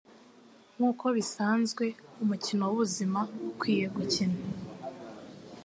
Nkuko bisanzwe, umukino wubuzima ukwiye gukina.